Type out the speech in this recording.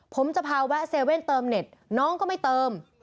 ผมจะพาแวะเว่นเติมเน็ตน้องก็ไม่เติม